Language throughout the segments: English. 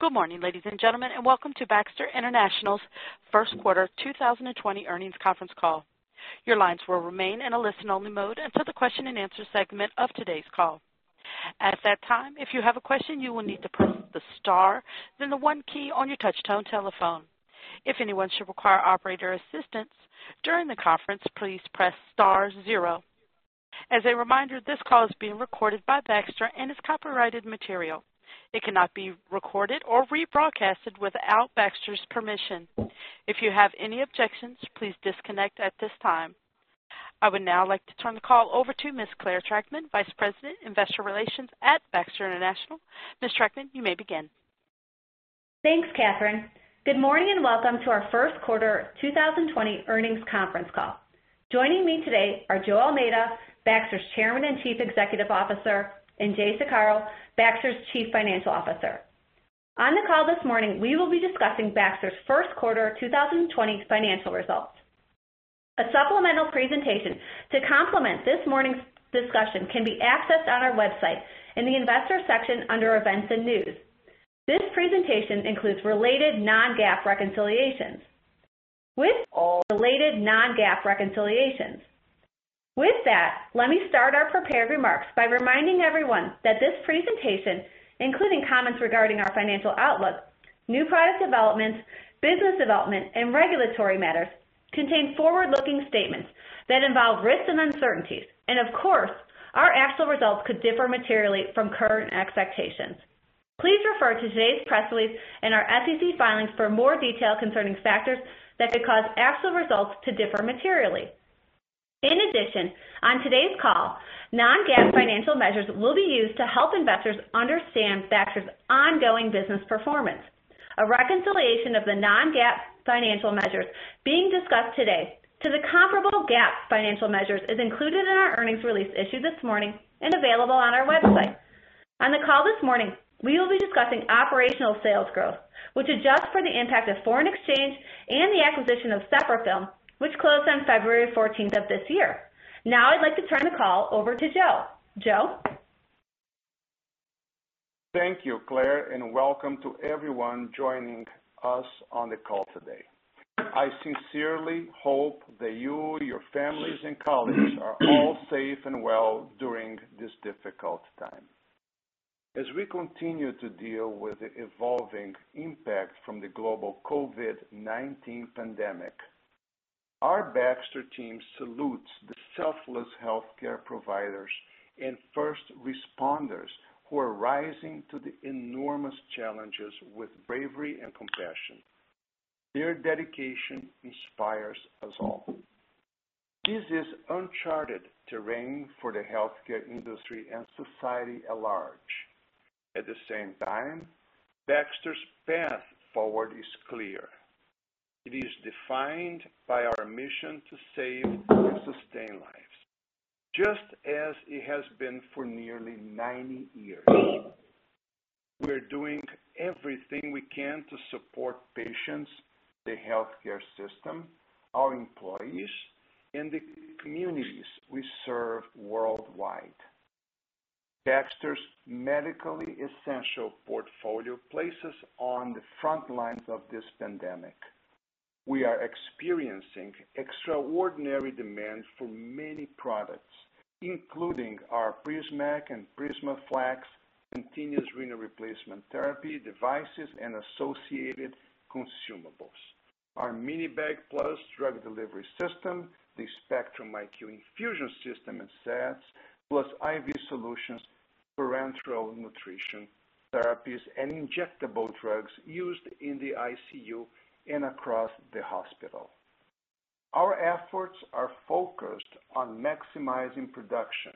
Good morning, ladies and gentlemen, and welcome to Baxter International's First Quarter 2020 Earnings Conference Call. Your lines will remain in a listen-only mode until the question and answer segment of today's call. At that time, if you have a question, you will need to press the star, then the one key on your touch tone telephone. If anyone should require operator assistance during the conference, please press star zero. As a reminder, this call is being recorded by Baxter and is copyrighted material. It cannot be recorded or rebroadcast without Baxter's permission. If you have any objections, please disconnect at this time. I would now like to turn the call over to Ms. Claire Trachtman, Vice President, Investor Relations at Baxter International. Ms. Trachtman, you may begin. Thanks, Katherine. Good morning and welcome to our first quarter 2020 earnings conference call. Joining me today are José Almeida, Baxter's Chairman and Chief Executive Officer, and Jay Saccaro, Baxter's Chief Financial Officer. On the call this morning, we will be discussing Baxter's first quarter 2020 financial results. A supplemental presentation to complement this morning's discussion can be accessed on our website in the investor section under events and news. This presentation includes related non-GAAP reconciliations. With related non-GAAP reconciliations. With that, let me start our prepared remarks by reminding everyone that this presentation, including comments regarding our financial outlook, new product developments, business development, and regulatory matters, contains forward-looking statements that involve risks and uncertainties, and of course, our actual results could differ materially from current expectations. Please refer to today's press release and our SEC filings for more detail concerning factors that could cause actual results to differ materially. In addition, on today's call, non-GAAP financial measures will be used to help investors understand Baxter's ongoing business performance. A reconciliation of the non-GAAP financial measures being discussed today to the comparable GAAP financial measures is included in our earnings release issued this morning and available on our website. On the call this morning, we will be discussing operational sales growth, which adjusts for the impact of foreign exchange and the acquisition of Seprafilm, which closed on February 14 of this year. Now I'd like to turn the call over to Joe. Joe. Thank you, Claire, and welcome to everyone joining us on the call today. I sincerely hope that you, your families, and colleagues are all safe and well during this difficult time. As we continue to deal with the evolving impact from the global COVID-19 pandemic, our Baxter team salutes the selfless healthcare providers and first responders who are rising to the enormous challenges with bravery and compassion. Their dedication inspires us all. This is uncharted terrain for the healthcare industry and society at large. At the same time, Baxter's path forward is clear. It is defined by our mission to save and sustain lives, just as it has been for nearly 90 years. We are doing everything we can to support patients, the healthcare system, our employees, and the communities we serve worldwide. Baxter's medically essential portfolio places us on the front lines of this pandemic. We are experiencing extraordinary demand for many products, including our Prismaflex and Prismaflex continuous renal replacement therapy devices, and associated consumables. Our Mini-Bag Plus drug delivery system, the Spectrum IQ infusion system and hemostats, plus IV solutions, parenteral nutrition therapies, and injectable drugs used in the ICU and across the hospital. Our efforts are focused on maximizing production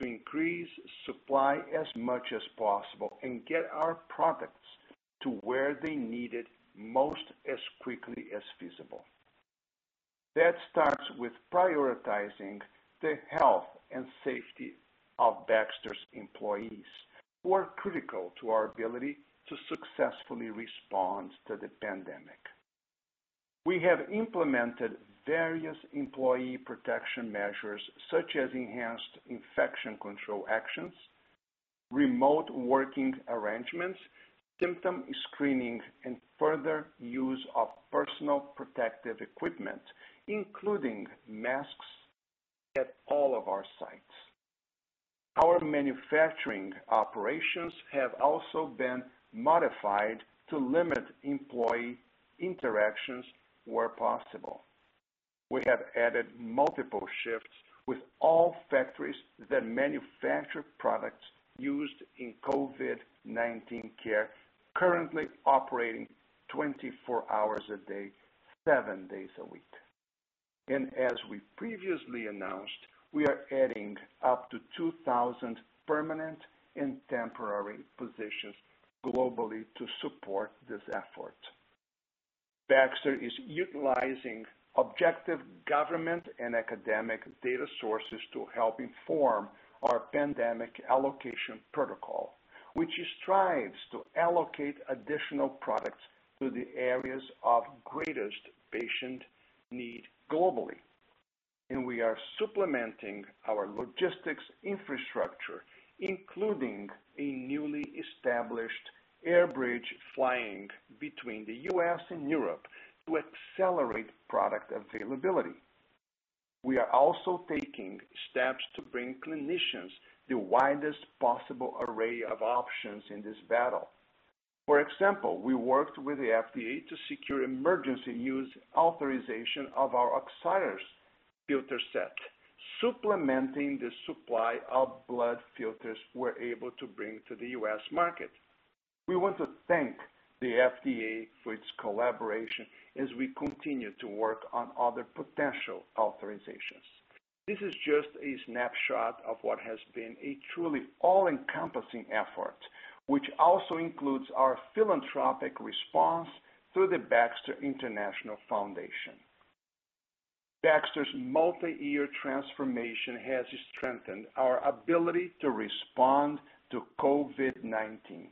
to increase supply as much as possible and get our products to where they need it most as quickly as feasible. That starts with prioritizing the health and safety of Baxter's employees, who are critical to our ability to successfully respond to the pandemic. We have implemented various employee protection measures, such as enhanced infection control actions, remote working arrangements, symptom screening, and further use of personal protective equipment, including masks, at all of our sites. Our manufacturing operations have also been modified to limit employee interactions where possible. We have added multiple shifts with all factories that manufacture products used in COVID-19 care, currently operating 24 hours a day, seven days a week. As we previously announced, we are adding up to 2,000 permanent and temporary positions globally to support this effort. Baxter is utilizing objective government and academic data sources to help inform our pandemic allocation protocol, which strives to allocate additional products to the areas of greatest patient need globally. We are supplementing our logistics infrastructure, including a newly established air bridge flying between the U.S. and Europe, to accelerate product availability. We are also taking steps to bring clinicians the widest possible array of options in this battle. For example, we worked with the FDA to secure emergency use authorization of our Oxiris filter set, supplementing the supply of blood filters we're able to bring to the U.S. market. We want to thank the FDA for its collaboration as we continue to work on other potential authorizations. This is just a snapshot of what has been a truly all-encompassing effort, which also includes our philanthropic response through the Baxter International Foundation. Baxter's multi-year transformation has strengthened our ability to respond to COVID-19.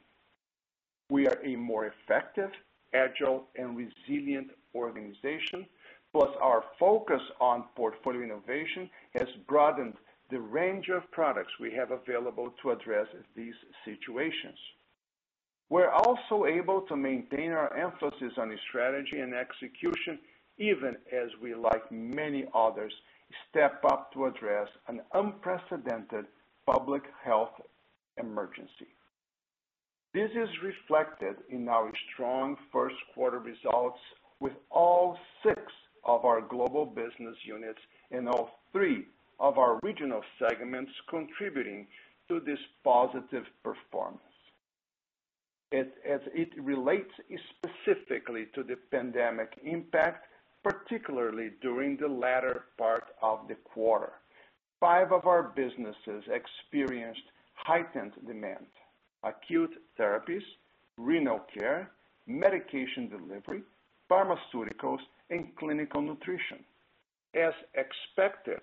We are a more effective, agile, and resilient organization, plus our focus on portfolio innovation has broadened the range of products we have available to address these situations. We're also able to maintain our emphasis on strategy and execution, even as we, like many others, step up to address an unprecedented public health emergency. This is reflected in our strong first quarter results, with all six of our global business units and all three of our regional segments contributing to this positive performance. As it relates specifically to the pandemic impact, particularly during the latter part of the quarter, five of our businesses experienced heightened demand: acute therapies, renal care, medication delivery, pharmaceuticals, and clinical nutrition. As expected,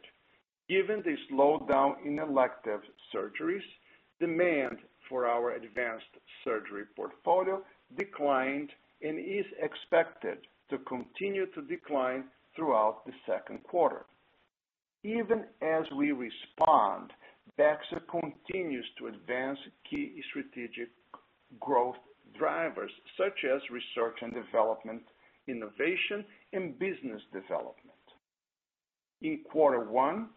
given the slowdown in elective surgeries, demand for our advanced surgery portfolio declined and is expected to continue to decline throughout the second quarter. Even as we respond, Baxter continues to advance key strategic growth drivers, such as research and development, innovation, and business development. In quarter one,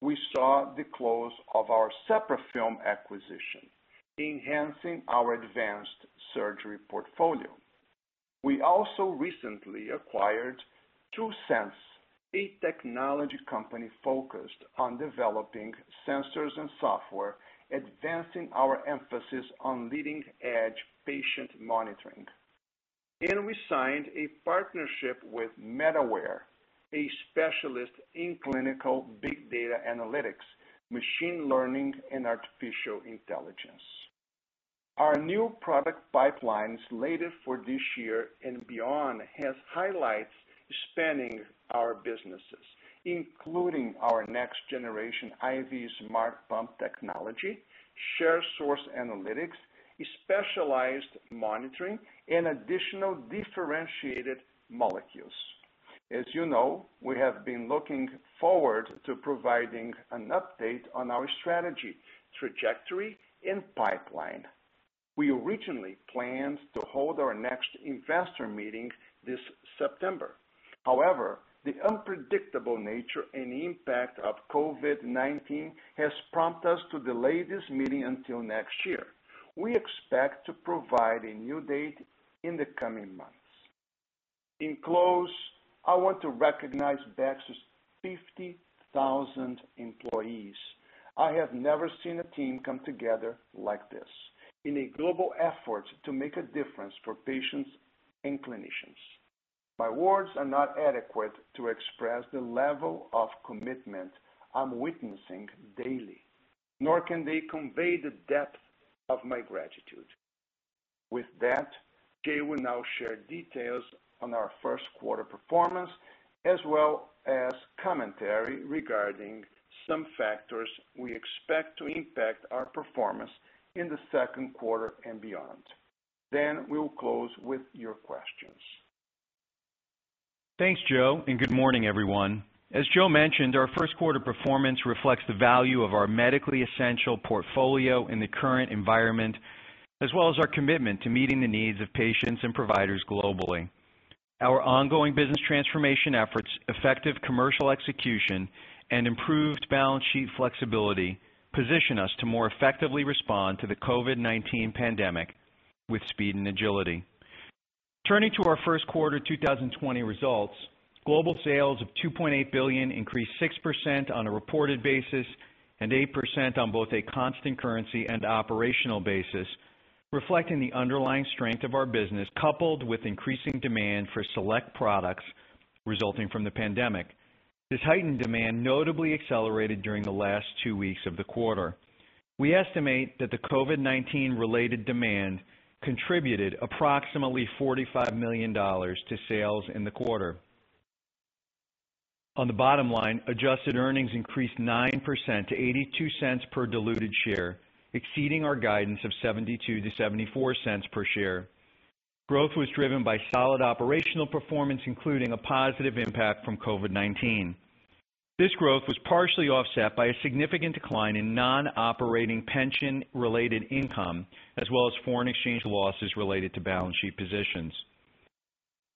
we saw the close of our Seprafilm acquisition, enhancing our advanced surgery portfolio. We also recently acquired Twosense, a technology company focused on developing sensors and software, advancing our emphasis on leading-edge patient monitoring. We signed a partnership with MedAware, a specialist in clinical big data analytics, machine learning, and artificial intelligence. Our new product pipelines slated for this year and beyond have highlights spanning our businesses, including our next-generation IV smart pump technology, Share Source analytics, specialized monitoring, and additional differentiated molecules. As you know, we have been looking forward to providing an update on our strategy, trajectory, and pipeline. We originally planned to hold our next investor meeting this September. However, the unpredictable nature and impact of COVID-19 have prompted us to delay this meeting until next year. We expect to provide a new date in the coming months. In close, I want to recognize Baxter's 50,000 employees. I have never seen a team come together like this in a global effort to make a difference for patients and clinicians. My words are not adequate to express the level of commitment I'm witnessing daily, nor can they convey the depth of my gratitude. With that, Jay will now share details on our first quarter performance, as well as commentary regarding some factors we expect to impact our performance in the second quarter and beyond. We will close with your questions. Thanks, Joe, and good morning, everyone. As Joe mentioned, our first quarter performance reflects the value of our medically essential portfolio in the current environment, as well as our commitment to meeting the needs of patients and providers globally. Our ongoing business transformation efforts, effective commercial execution, and improved balance sheet flexibility position us to more effectively respond to the COVID-19 pandemic with speed and agility. Turning to our first quarter 2020 results, global sales of $2.8 billion increased 6% on a reported basis and 8% on both a constant currency and operational basis, reflecting the underlying strength of our business, coupled with increasing demand for select products resulting from the pandemic. This heightened demand notably accelerated during the last two weeks of the quarter. We estimate that the COVID-19-related demand contributed approximately $45 million to sales in the quarter. On the bottom line, adjusted earnings increased 9% to $0.82 per diluted share, exceeding our guidance of $0.72 to $0.74 per share. Growth was driven by solid operational performance, including a positive impact from COVID-19. This growth was partially offset by a significant decline in non-operating pension-related income, as well as foreign exchange losses related to balance sheet positions.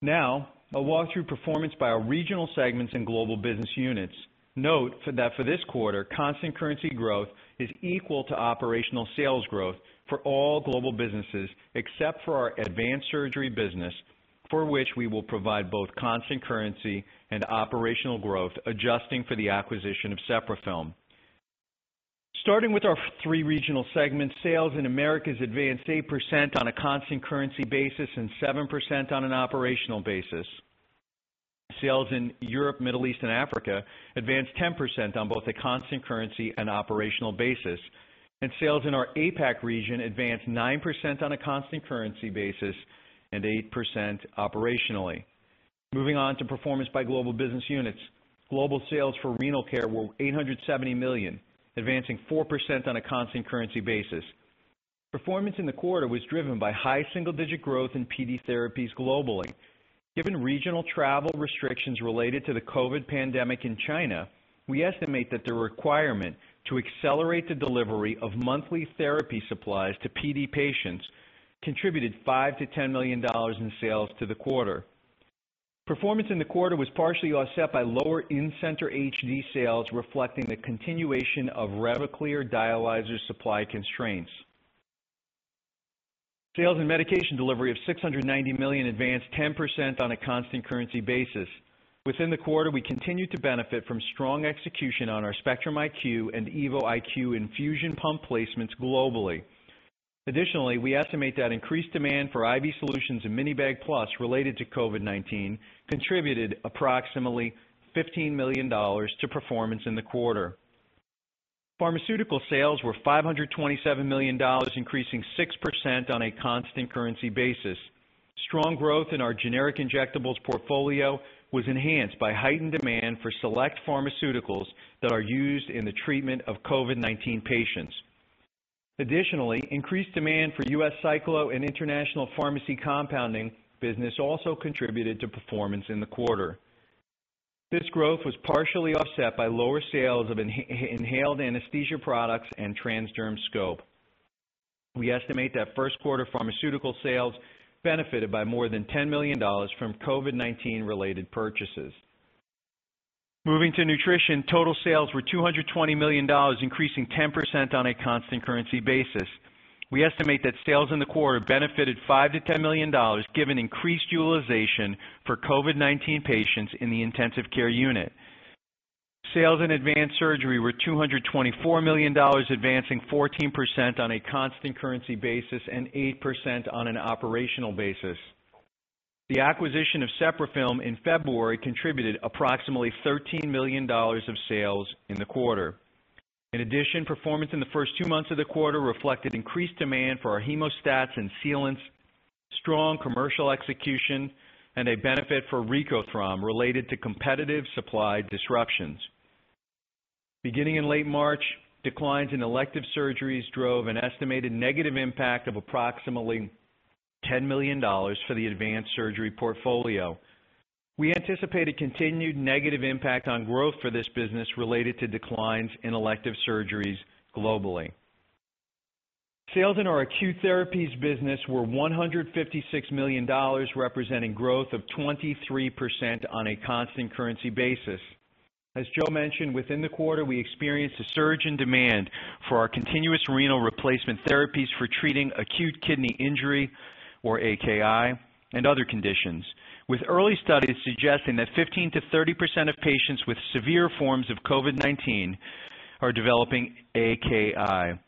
Now, I'll walk through performance by our regional segments and global business units. Note that for this quarter, constant currency growth is equal to operational sales growth for all global businesses, except for our advanced surgery business, for which we will provide both constant currency and operational growth, adjusting for the acquisition of Seprafilm. Starting with our three regional segments, sales in Americas advanced 8% on a constant currency basis and 7% on an operational basis. Sales in Europe, Middle East, and Africa advanced 10% on both a constant currency and operational basis. Sales in our APAC region advanced 9% on a constant currency basis and 8% operationally. Moving on to performance by global business units. Global sales for renal care were $870 million, advancing 4% on a constant currency basis. Performance in the quarter was driven by high single-digit growth in PD therapies globally. Given regional travel restrictions related to the COVID pandemic in China, we estimate that the requirement to accelerate the delivery of monthly therapy supplies to PD patients contributed $5 million to $10 million in sales to the quarter. Performance in the quarter was partially offset by lower in-center HD sales, reflecting the continuation of Revaclear dialyzer supply constraints. Sales in medication delivery of $690 million advanced 10% on a constant currency basis. Within the quarter, we continued to benefit from strong execution on our Spectrum IQ and Evo IQ infusion pump placements globally. Additionally, we estimate that increased demand for IV solutions and Mini-Bag Plus related to COVID-19 contributed approximately $15 million to performance in the quarter. Pharmaceutical sales were $527 million, increasing 6% on a constant currency basis. Strong growth in our generic injectables portfolio was enhanced by heightened demand for select pharmaceuticals that are used in the treatment of COVID-19 patients. Additionally, increased demand for US Cyclo and international pharmacy compounding business also contributed to performance in the quarter. This growth was partially offset by lower sales of inhaled anesthesia products and Transderm Scop. We estimate that first quarter pharmaceutical sales benefited by more than $10 million from COVID-19-related purchases. Moving to nutrition, total sales were $220 million, increasing 10% on a constant currency basis. We estimate that sales in the quarter benefited $5 million to $10 million, given increased utilization for COVID-19 patients in the intensive care unit. Sales in Advanced Surgery were $224 million, advancing 14% on a constant currency basis and 8% on an operational basis. The acquisition of Seprafilm in February contributed approximately $13 million of sales in the quarter. In addition, performance in the first two months of the quarter reflected increased demand for our hemostats and sealants, strong commercial execution, and a benefit for Recothrom related to competitive supply disruptions. Beginning in late March, declines in elective surgeries drove an estimated negative impact of approximately $10 million for the Advanced Surgery portfolio. We anticipate a continued negative impact on growth for this business related to declines in elective surgeries globally. Sales in our Acute Therapies business were $156 million, representing growth of 23% on a constant currency basis. As Joe mentioned, within the quarter, we experienced a surge in demand for our continuous renal replacement therapies for treating acute kidney injury, or AKI, and other conditions, with early studies suggesting that 15% to 30% of patients with severe forms of COVID-19 are developing AKI.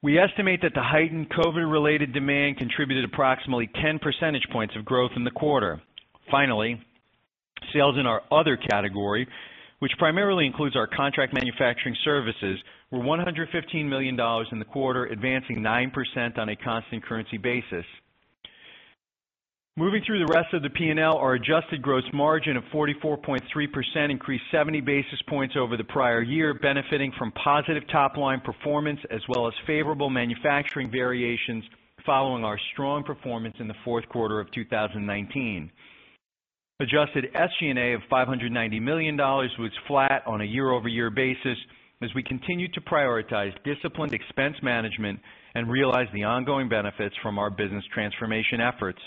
We estimate that the heightened COVID-related demand contributed approximately 10 percentage points of growth in the quarter. Finally, sales in our other category, which primarily includes our contract manufacturing services, were $115 million in the quarter, advancing 9% on a constant currency basis. Moving through the rest of the P&L, our adjusted gross margin of 44.3% increased 70 basis points over the prior year, benefiting from positive top-line performance as well as favorable manufacturing variations following our strong performance in the fourth quarter of 2019. Adjusted SG&A of $590 million was flat on a year-over-year basis as we continued to prioritize disciplined expense management and realize the ongoing benefits from our business transformation efforts.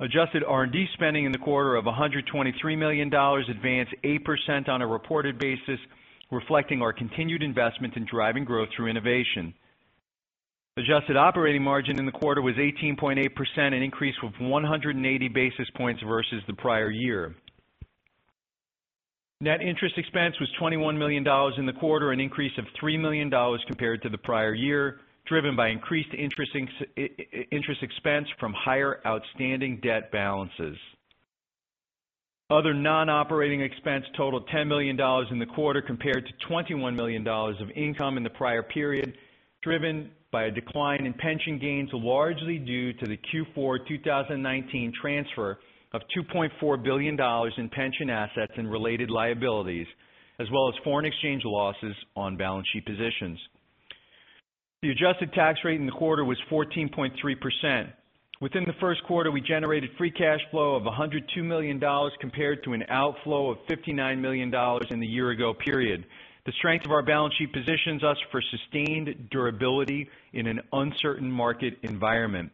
Adjusted R&D spending in the quarter of $123 million advanced 8% on a reported basis, reflecting our continued investment in driving growth through innovation. Adjusted operating margin in the quarter was 18.8%, an increase of 180 basis points versus the prior year. Net interest expense was $21 million in the quarter, an increase of $3 million compared to the prior year, driven by increased interest expense from higher outstanding debt balances. Other non-operating expense totaled $10 million in the quarter, compared to $21 million of income in the prior period, driven by a decline in pension gains, largely due to the Q4 2019 transfer of $2.4 billion in pension assets and related liabilities, as well as foreign exchange losses on balance sheet positions. The adjusted tax rate in the quarter was 14.3%. Within the first quarter, we generated free cash flow of $102 million, compared to an outflow of $59 million in the year-ago period. The strength of our balance sheet positions us for sustained durability in an uncertain market environment.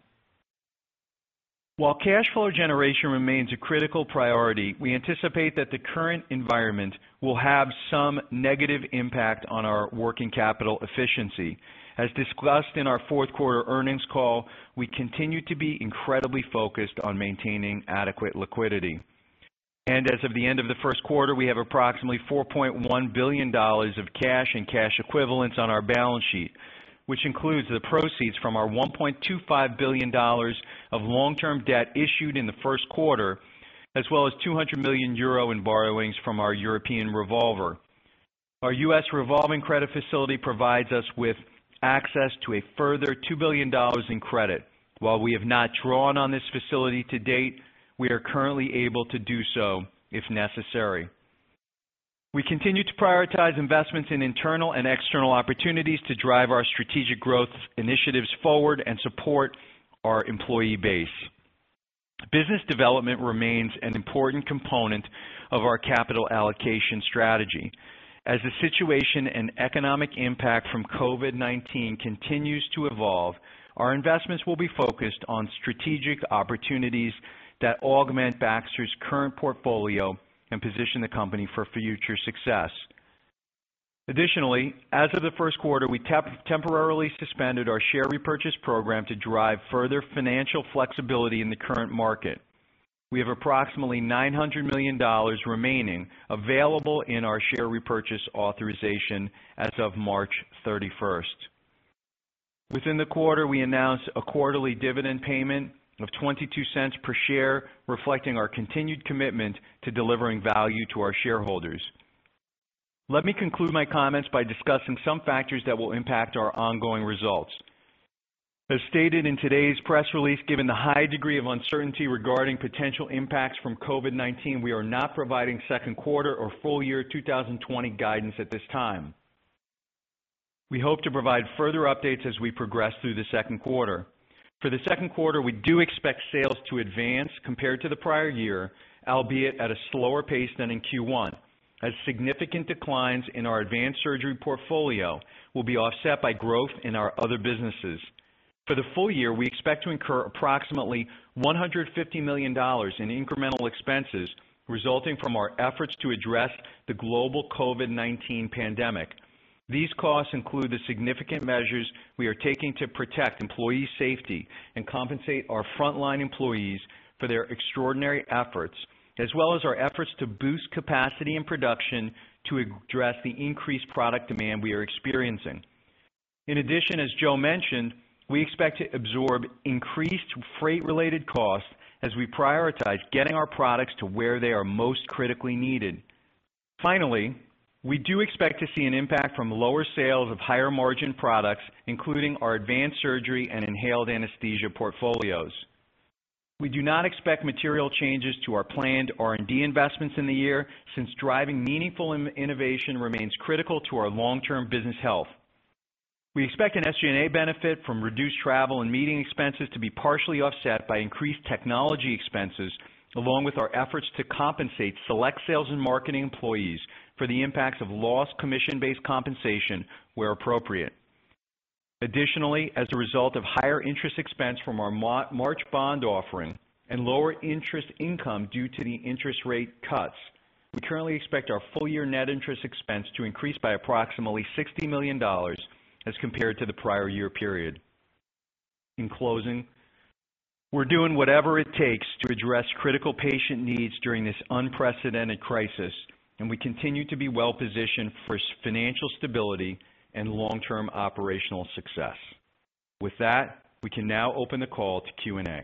While cash flow generation remains a critical priority, we anticipate that the current environment will have some negative impact on our working capital efficiency. As discussed in our fourth quarter earnings call, we continue to be incredibly focused on maintaining adequate liquidity. As of the end of the first quarter, we have approximately $4.1 billion of cash and cash equivalents on our balance sheet, which includes the proceeds from our $1.25 billion of long-term debt issued in the first quarter, as well as 200 million euro in borrowings from our European revolver. Our U.S. revolving credit facility provides us with access to a further $2 billion in credit. While we have not drawn on this facility to date, we are currently able to do so if necessary. We continue to prioritize investments in internal and external opportunities to drive our strategic growth initiatives forward and support our employee base. Business development remains an important component of our capital allocation strategy. As the situation and economic impact from COVID-19 continues to evolve, our investments will be focused on strategic opportunities that augment Baxter's current portfolio and position the company for future success. Additionally, as of the first quarter, we temporarily suspended our share repurchase program to drive further financial flexibility in the current market. We have approximately $900 million remaining available in our share repurchase authorization as of March 31. Within the quarter, we announced a quarterly dividend payment of $0.22 per share, reflecting our continued commitment to delivering value to our shareholders. Let me conclude my comments by discussing some factors that will impact our ongoing results. As stated in today's press release, given the high degree of uncertainty regarding potential impacts from COVID-19, we are not providing second quarter or full year 2020 guidance at this time. We hope to provide further updates as we progress through the second quarter. For the second quarter, we do expect sales to advance compared to the prior year, albeit at a slower pace than in Q1, as significant declines in our advanced surgery portfolio will be offset by growth in our other businesses. For the full year, we expect to incur approximately $150 million in incremental expenses resulting from our efforts to address the global COVID-19 pandemic. These costs include the significant measures we are taking to protect employee safety and compensate our frontline employees for their extraordinary efforts, as well as our efforts to boost capacity and production to address the increased product demand we are experiencing. In addition, as Joe mentioned, we expect to absorb increased freight-related costs as we prioritize getting our products to where they are most critically needed. Finally, we do expect to see an impact from lower sales of higher margin products, including our Advanced Surgery and inhaled anesthesia portfolios. We do not expect material changes to our planned R&D investments in the year since driving meaningful innovation remains critical to our long-term business health. We expect an SG&A benefit from reduced travel and meeting expenses to be partially offset by increased technology expenses, along with our efforts to compensate select sales and marketing employees for the impacts of lost commission-based compensation where appropriate. Additionally, as a result of higher interest expense from our March bond offering and lower interest income due to the interest rate cuts, we currently expect our full year net interest expense to increase by approximately $60 million as compared to the prior year period. In closing, we're doing whatever it takes to address critical patient needs during this unprecedented crisis, and we continue to be well-positioned for financial stability and long-term operational success. With that, we can now open the call to Q and A.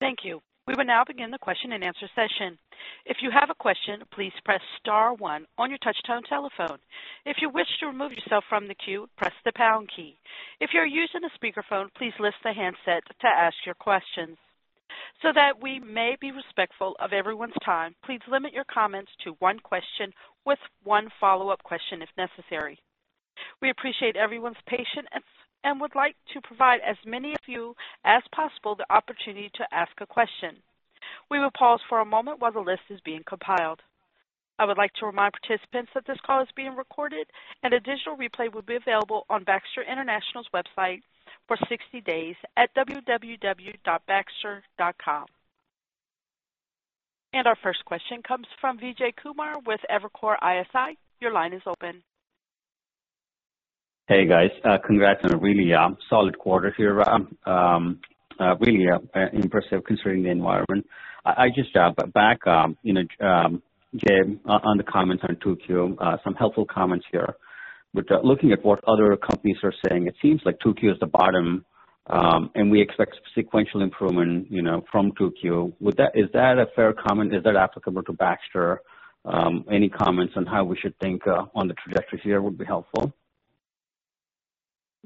Thank you. We will now begin the question and answer session. If you have a question, please press star one on your touch-tone telephone. If you wish to remove yourself from the queue, press the pound key. If you're using a speakerphone, please lift the handset to ask your questions. So that we may be respectful of everyone's time, please limit your comments to one question with one follow-up question if necessary. We appreciate everyone's patience and would like to provide as many of you as possible the opportunity to ask a question. We will pause for a moment while the list is being compiled. I would like to remind participants that this call is being recorded, and a digital replay will be available on Baxter International's website for 60 days at www.baxter.com. Our first question comes from Vijay Kumar with Evercore ISI. Your line is open. Hey, guys. Congrats on a really solid quarter here. Really impressive considering the environment. I just jump back, Jay, on the comments on 2Q, some helpful comments here. Looking at what other companies are saying, it seems like 2Q is the bottom, and we expect sequential improvement from 2Q. Is that a fair comment? Is that applicable to Baxter? Any comments on how we should think on the trajectory here would be helpful.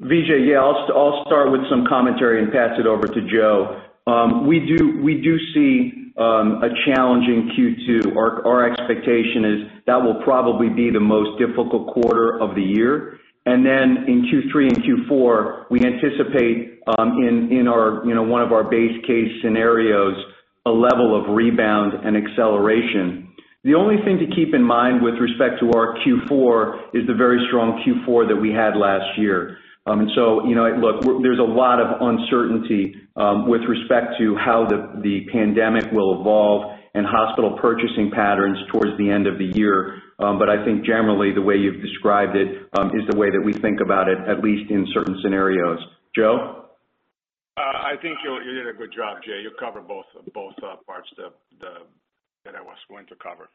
Vijay, yeah, I'll start with some commentary and pass it over to Joe. We do see a challenging Q2. Our expectation is that will probably be the most difficult quarter of the year. In Q3 and Q4, we anticipate in one of our base case scenarios a level of rebound and acceleration. The only thing to keep in mind with respect to our Q4 is the very strong Q4 that we had last year. There is a lot of uncertainty with respect to how the pandemic will evolve and hospital purchasing patterns towards the end of the year. I think generally the way you've described it is the way that we think about it, at least in certain scenarios. Joe? I think you did a good job, Jay. You covered both parts that I was going to cover.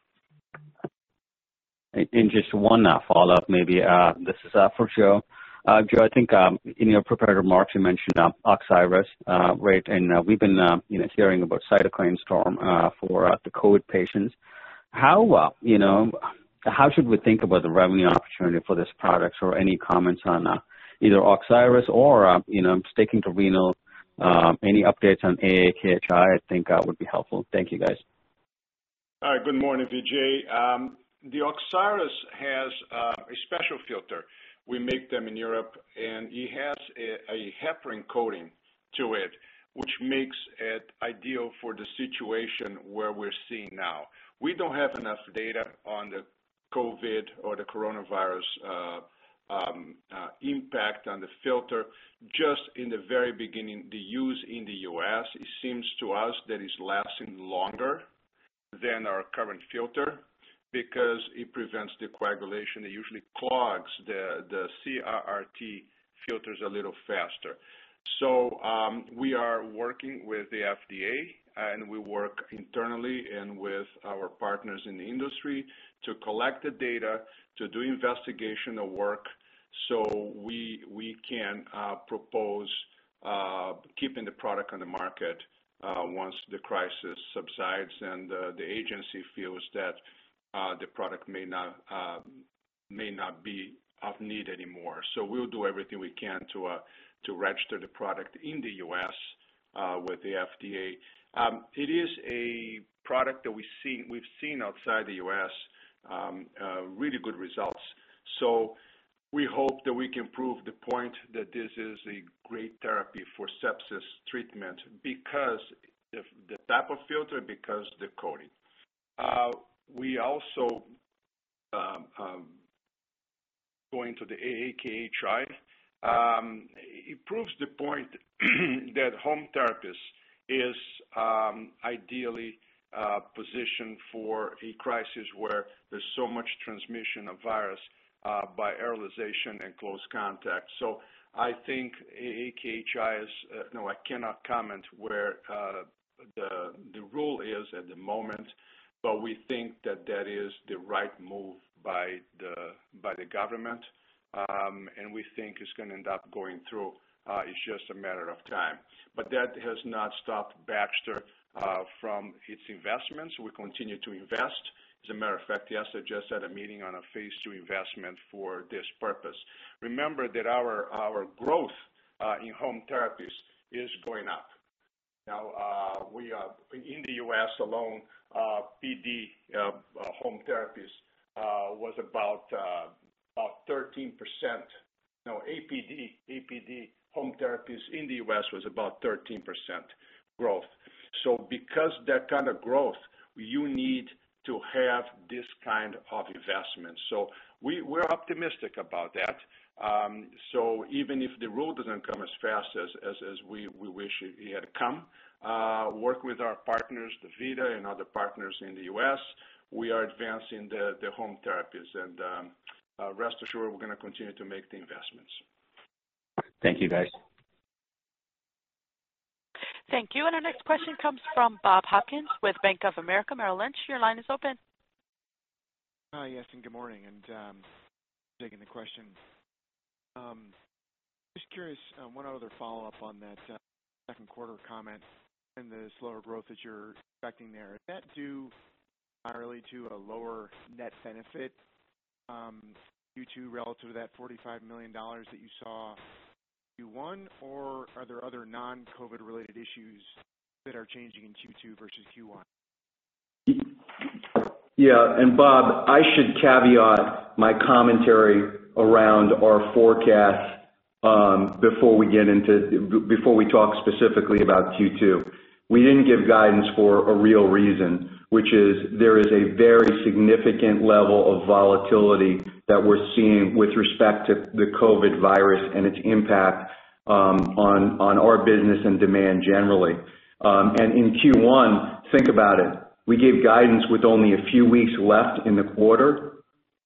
Just one follow-up, maybe. This is for Joe. Joe, I think in your prepared remarks, you mentioned Oxyris, and we've been hearing about cytokine storm for the COVID patients. How should we think about the revenue opportunity for these products? Or any comments on either Oxyris or sticking to renal? Any updates on AAKHI, I think, would be helpful. Thank you, guys. All right. Good morning, Vijay. The Oxiris has a special filter. We make them in Europe, and it has a heparin coating to it, which makes it ideal for the situation where we're seeing now. We don't have enough data on the COVID or the coronavirus impact on the filter. Just in the very beginning, the use in the U.S., it seems to us that it's lasting longer than our current filter because it prevents the coagulation. It usually clogs the CRRT filters a little faster. We are working with the FDA, and we work internally and with our partners in the industry to collect the data, to do investigational work so we can propose keeping the product on the market once the crisis subsides and the agency feels that the product may not be of need anymore. We'll do everything we can to register the product in the U.S. with the FDA. It is a product that we've seen outside the U.S., really good results. We hope that we can prove the point that this is a great therapy for sepsis treatment because of the type of filter, because of the coating. We also go into the AAKHI. It proves the point that home therapist is ideally positioned for a crisis where there's so much transmission of virus by aerosolization and close contact. I think AAKHI is, no, I cannot comment where the rule is at the moment, but we think that that is the right move by the government, and we think it's going to end up going through. It's just a matter of time. That has not stopped Baxter from its investments. We continue to invest. As a matter of fact, yesterday, I just had a meeting on a phase two investment for this purpose. Remember that our growth in home therapies is going up. Now, in the U.S. alone, PD home therapies was about 13%. No, APD home therapies in the U.S. was about 13% growth. Because of that kind of growth, you need to have this kind of investment. We are optimistic about that. Even if the rule does not come as fast as we wish it had come, we work with our partners, Vifor and other partners in the U.S. We are advancing the home therapies, and rest assured, we are going to continue to make the investments. Thank you, guys. Thank you. Our next question comes from Bob Hopkins with Bank of America Merrill Lynch. Your line is open. Hi, yes, good morning. Taking the question, just curious, one other follow-up on that second quarter comment and the slower growth that you're expecting there. Is that due entirely to a lower net benefit relative to that $45 million that you saw Q1, or are there other non-COVID-related issues that are changing in Q2 versus Q1? Yeah. Bob, I should caveat my commentary around our forecast before we get into before we talk specifically about Q2. We did not give guidance for a real reason, which is there is a very significant level of volatility that we are seeing with respect to the COVID virus and its impact on our business and demand generally. In Q1, think about it. We gave guidance with only a few weeks left in the quarter,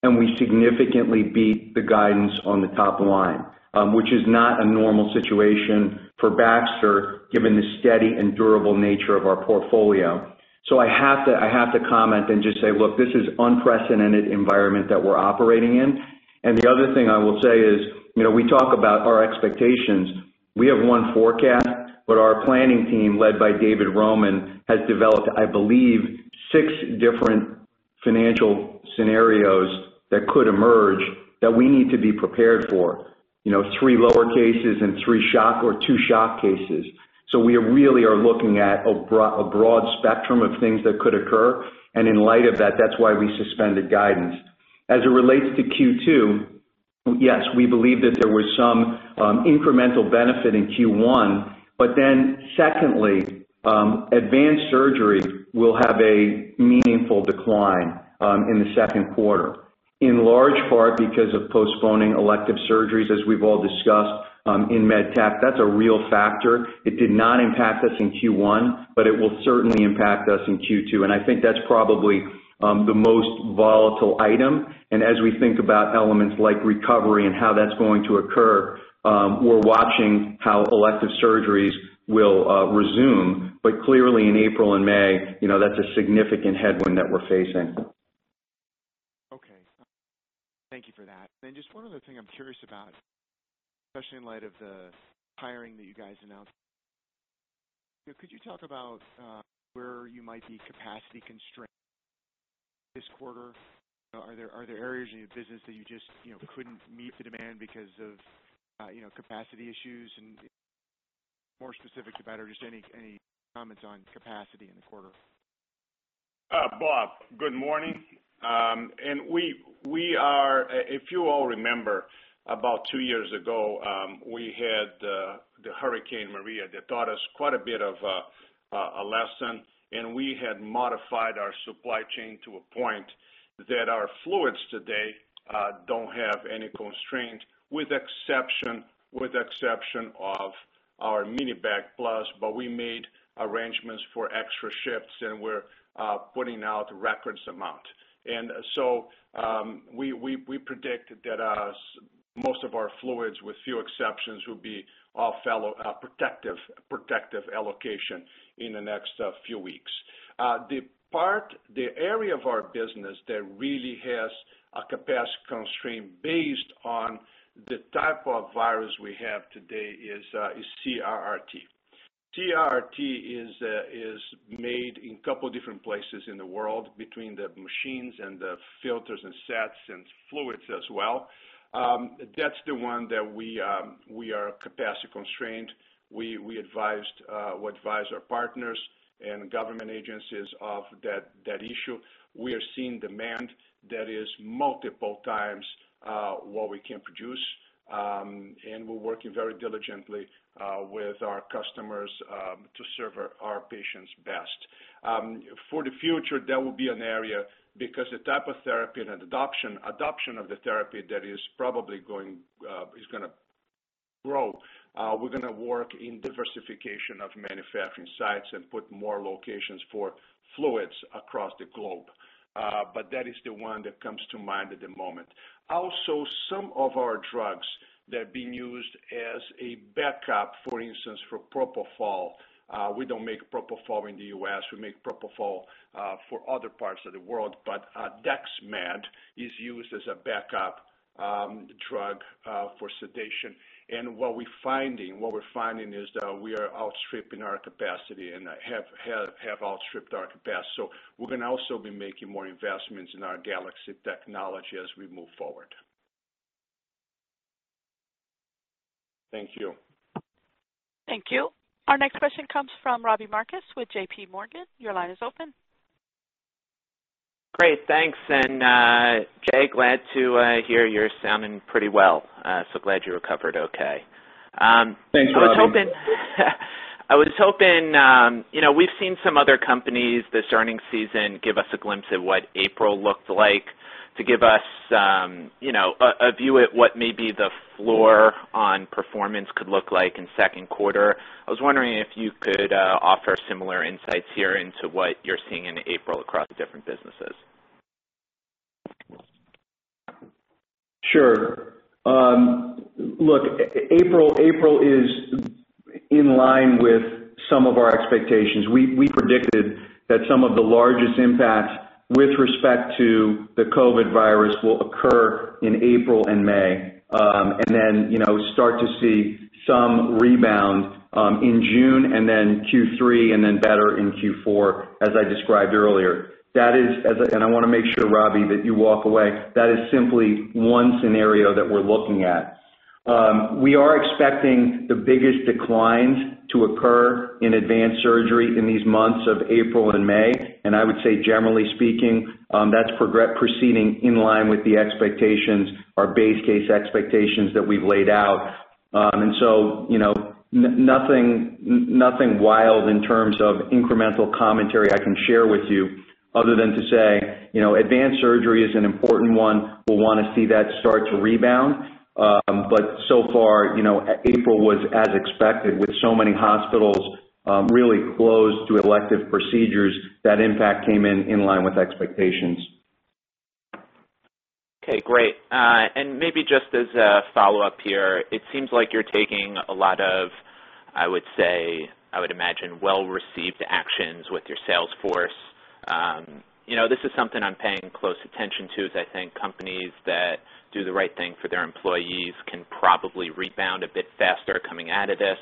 and we significantly beat the guidance on the top line, which is not a normal situation for Baxter given the steady and durable nature of our portfolio. I have to comment and just say, look, this is an unprecedented environment that we are operating in. The other thing I will say is we talk about our expectations. We have one forecast, but our planning team, led by David Roman, has developed, I believe, six different financial scenarios that could emerge that we need to be prepared for: three lower cases and two shock cases. We really are looking at a broad spectrum of things that could occur. In light of that, that's why we suspended guidance. As it relates to Q2, yes, we believe that there was some incremental benefit in Q1. Secondly, advanced surgery will have a meaningful decline in the second quarter, in large part because of postponing elective surgeries, as we've all discussed in MedTech. That's a real factor. It did not impact us in Q1, but it will certainly impact us in Q2. I think that's probably the most volatile item. As we think about elements like recovery and how that's going to occur, we're watching how elective surgeries will resume. Clearly, in April and May, that's a significant headwind that we're facing. Okay. Thank you for that. Just one other thing I'm curious about, especially in light of the hiring that you guys announced. Could you talk about where you might be capacity constrained this quarter? Are there areas in your business that you just couldn't meet the demand because of capacity issues? More specific to Baxter, just any comments on capacity in the quarter. Bob, good morning. If you all remember, about two years ago, we had the Hurricane Maria that taught us quite a bit of a lesson, and we had modified our supply chain to a point that our fluids today do not have any constraints, with the exception of our Mini-Bag Plus. We made arrangements for extra shifts, and we are putting out record amounts. We predict that most of our fluids, with few exceptions, will be all fellow protective allocation in the next few weeks. The area of our business that really has a capacity constraint based on the type of virus we have today is CRRT. CRRT is made in a couple of different places in the world, between the machines and the filters and sets and fluids as well. That is the one that we are capacity constrained. We advised our partners and government agencies of that issue. We are seeing demand that is multiple times what we can produce, and we're working very diligently with our customers to serve our patients best. For the future, that will be an area because the type of therapy and adoption of the therapy that is probably going is going to grow. We're going to work in diversification of manufacturing sites and put more locations for fluids across the globe. That is the one that comes to mind at the moment. Also, some of our drugs that are being used as a backup, for instance, for propofol. We don't make propofol in the U.S. We make propofol for other parts of the world. Dexmed is used as a backup drug for sedation. What we're finding is that we are outstripping our capacity and have outstripped our capacity. We're going to also be making more investments in our Galaxy technology as we move forward. Thank you. Thank you. Our next question comes from Robbie Marcus with JP Morgan. Your line is open. Great. Thanks. Jay, glad to hear you're sounding pretty well. Glad you recovered okay. Thanks for having me. I was hoping we've seen some other companies this earnings season give us a glimpse of what April looked like, to give us a view at what maybe the floor on performance could look like in second quarter. I was wondering if you could offer similar insights here into what you're seeing in April across different businesses. Sure. Look, April is in line with some of our expectations. We predicted that some of the largest impacts with respect to the COVID virus will occur in April and May and then start to see some rebound in June and then Q3 and then better in Q4, as I described earlier. I want to make sure, Robbie, that you walk away. That is simply one scenario that we're looking at. We are expecting the biggest declines to occur in advanced surgery in these months of April and May. I would say, generally speaking, that's proceeding in line with the expectations, our base case expectations that we've laid out. Nothing wild in terms of incremental commentary I can share with you other than to say advanced surgery is an important one. We'll want to see that start to rebound. So far, April was as expected, with so many hospitals really closed to elective procedures, that impact came in line with expectations. Okay. Great. Maybe just as a follow-up here, it seems like you're taking a lot of, I would say, I would imagine, well-received actions with your sales force. This is something I'm paying close attention to, as I think companies that do the right thing for their employees can probably rebound a bit faster coming out of this.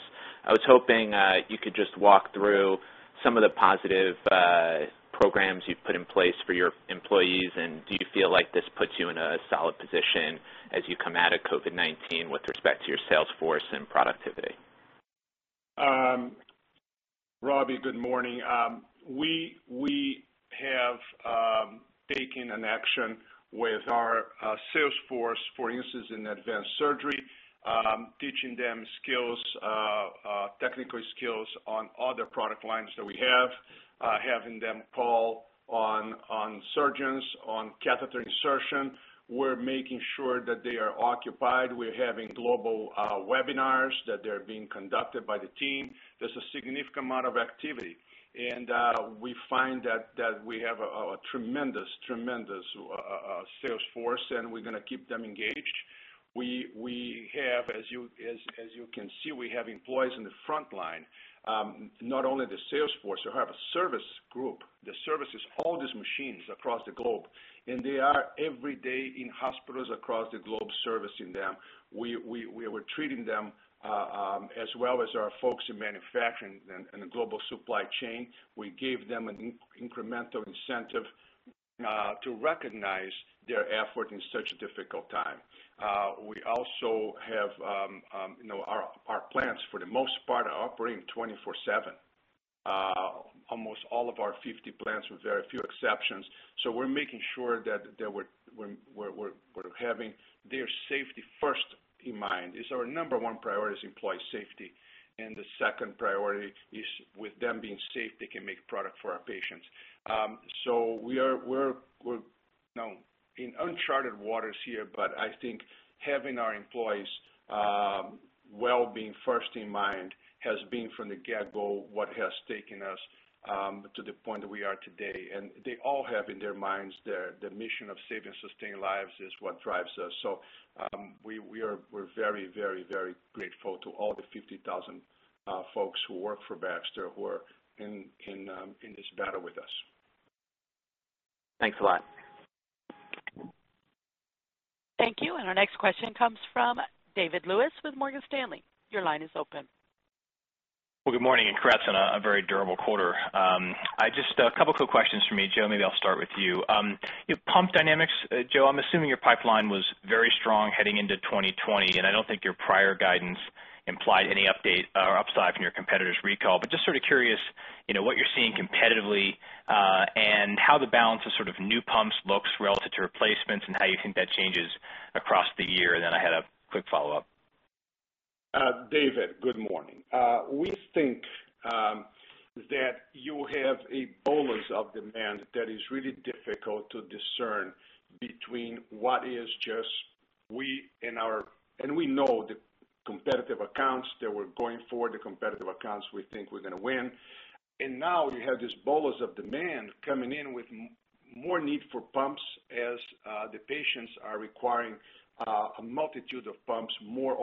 I was hoping you could just walk through some of the positive programs you've put in place for your employees, and do you feel like this puts you in a solid position as you come out of COVID-19 with respect to your sales force and productivity? Robbie, good morning. We have taken an action with our sales force, for instance, in advanced surgery, teaching them skills, technical skills on other product lines that we have, having them call on surgeons on catheter insertion. We are making sure that they are occupied. We are having global webinars that are being conducted by the team. There is a significant amount of activity. We find that we have a tremendous, tremendous sales force, and we are going to keep them engaged. As you can see, we have employees in the front line, not only the sales force. We have a service group. The service is all these machines across the globe, and they are every day in hospitals across the globe servicing them. We are treating them as well as our folks in manufacturing and the global supply chain. We gave them an incremental incentive to recognize their effort in such a difficult time. We also have our plants, for the most part, operating 24/7. Almost all of our 50 plants with very few exceptions. We are making sure that we are having their safety first in mind. Our number one priority is employee safety. The second priority is, with them being safe, they can make product for our patients. We are in uncharted waters here, but I think having our employees' well-being first in mind has been from the get-go what has taken us to the point that we are today. They all have in their minds the mission of saving and sustaining lives is what drives us. We are very, very, very grateful to all the 50,000 folks who work for Baxter who are in this battle with us. Thanks a lot. Thank you. Our next question comes from David Lewis with Morgan Stanley. Your line is open. Good morning. Kratz in a very durable quarter. A couple of quick questions for me, Joe. Maybe I'll start with you. Pump dynamics, Joe, I'm assuming your pipeline was very strong heading into 2020, and I don't think your prior guidance implied any upside from your competitor's recall. Just sort of curious what you're seeing competitively and how the balance of sort of new pumps looks relative to replacements and how you think that changes across the year. I had a quick follow-up. David, good morning. We think that you have a bolus of demand that is really difficult to discern between what is just. We and our and we know the competitive accounts that we're going for, the competitive accounts we think we're going to win. Now you have this bolus of demand coming in with more need for pumps as the patients are requiring a multitude of pumps, more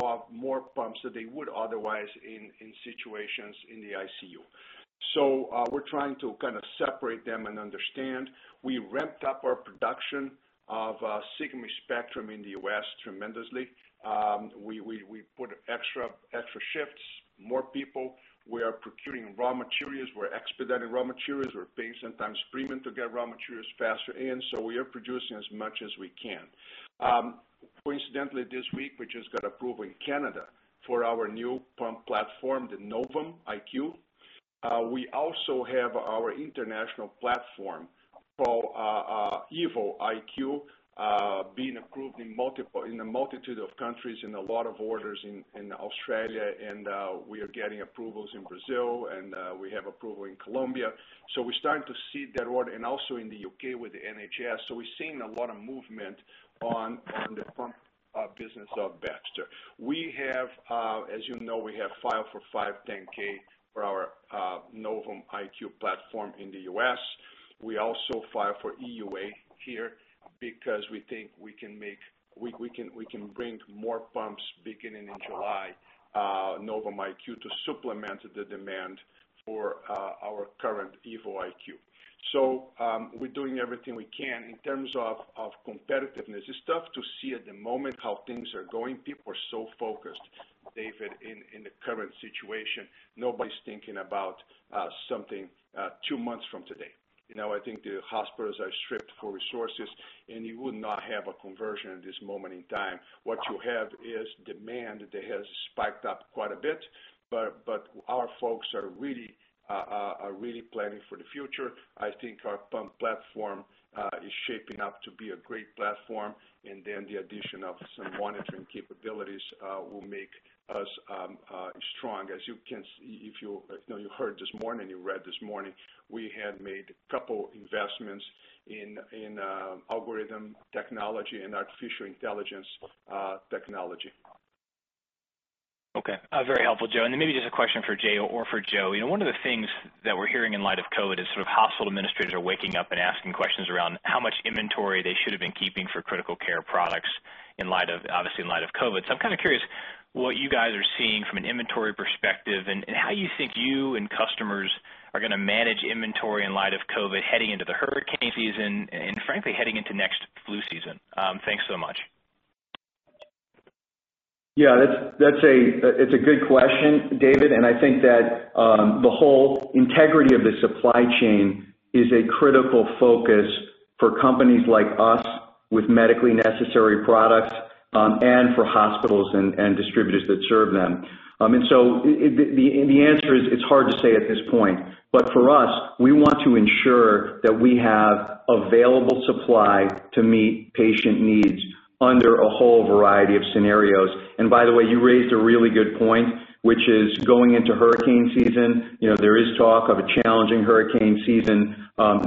pumps than they would otherwise in situations in the ICU. We are trying to kind of separate them and understand. We ramped up our production of Sigma Spectrum in the U.S. tremendously. We put extra shifts, more people. We are procuring raw materials. We are expediting raw materials. We are paying sometimes premium to get raw materials faster. We are producing as much as we can. Coincidentally, this week, we just got approval in Canada for our new pump platform, the Novum IQ. We also have our international platform called Evo IQ being approved in a multitude of countries with a lot of orders in Australia. We are getting approvals in Brazil, and we have approval in Colombia. We are starting to see that order and also in the U.K. with the NHS. We are seeing a lot of movement on the pump business of Baxter. As you know, we have filed for 510K for our Novum IQ platform in the U.S. We also filed for EUA here because we think we can bring more pumps beginning in July, Novum IQ, to supplement the demand for our current Evo IQ. We are doing everything we can. In terms of competitiveness, it's tough to see at the moment how things are going. People are so focused, David, in the current situation. Nobody's thinking about something two months from today. I think the hospitals are stripped for resources, and you would not have a conversion at this moment in time. What you have is demand that has spiked up quite a bit, but our folks are really planning for the future. I think our pump platform is shaping up to be a great platform, and then the addition of some monitoring capabilities will make us strong. As you can see, if you heard this morning and you read this morning, we had made a couple of investments in algorithm technology and artificial intelligence technology. Okay. Very helpful, Joe. Maybe just a question for Jay or for Joe. One of the things that we're hearing in light of COVID is sort of hospital administrators are waking up and asking questions around how much inventory they should have been keeping for critical care products, obviously in light of COVID. I'm kind of curious what you guys are seeing from an inventory perspective and how you think you and customers are going to manage inventory in light of COVID heading into the hurricane season and, frankly, heading into next flu season. Thanks so much. Yeah. It's a good question, David. I think that the whole integrity of the supply chain is a critical focus for companies like us with medically necessary products and for hospitals and distributors that serve them. The answer is it's hard to say at this point. For us, we want to ensure that we have available supply to meet patient needs under a whole variety of scenarios. By the way, you raised a really good point, which is going into hurricane season. There is talk of a challenging hurricane season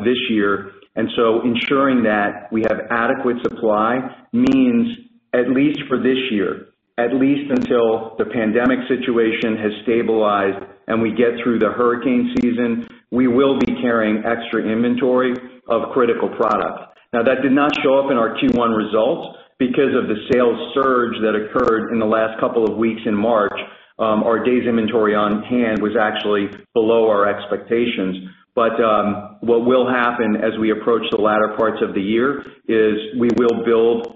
this year. Ensuring that we have adequate supply means, at least for this year, at least until the pandemic situation has stabilized and we get through the hurricane season, we will be carrying extra inventory of critical products. Now, that did not show up in our Q1 results because of the sales surge that occurred in the last couple of weeks in March. Our day's inventory on hand was actually below our expectations. What will happen as we approach the latter parts of the year is we will build